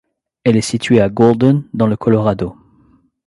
Elle est située à Golden, dans le Colorado.